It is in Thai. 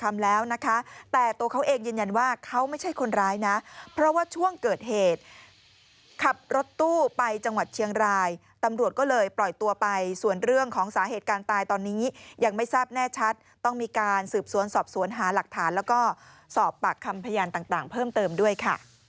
แล้วนะคะแต่ตัวเขาเองยืนยันว่าเขาไม่ใช่คนร้ายนะเพราะว่าช่วงเกิดเหตุขับรถตู้ไปจังหวัดเชียงรายตำรวจก็เลยปล่อยตัวไปส่วนเรื่องของสาเหตุการณ์ตายตอนนี้ยังไม่ทราบแน่ชัดต้องมีการสืบสวนสอบสวนหาหลักฐานแล้วก็สอบปากคำพยานต่างเพิ่มเติมด้วยค่ะ